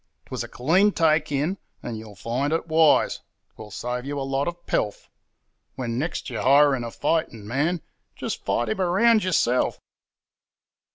'Twas a clean take in, and you'll find it wise 'twill save you a lot of pelf When next you're hiring a fighting man, just fight him a round yourself.'